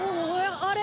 あれ？